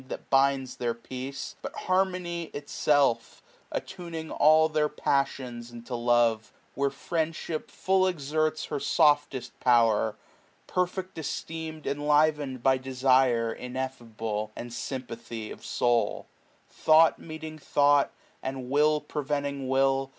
That binds theit peafce, but harmony itself^ 1 1 15 Attuning all their passions into love i Where friendship ftill eicerls her softest power, Perfect esteem enlivened by desire Ineffable, and sympathy of soul ; Thought meeting thought, and will preventing will.